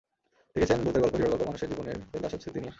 লিখেছেন ভূতের গল্প, হিরোর গল্প, মানুষের জীবনের ফেলে আসা স্মৃতি নিয়ে।